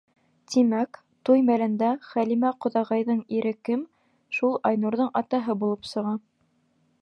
Тимәк, туй мәлендә Хәлимә ҡоҙағыйҙың ире кем, шул Айнурҙың атаһы булып сыға.